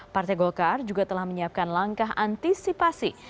partai golkar juga telah menyiapkan langkah antisipasi